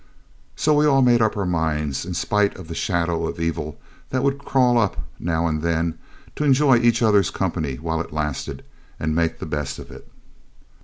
So we all made up our minds, in spite of the shadow of evil that would crawl up now and then, to enjoy each other's company while it lasted, and make the best of it.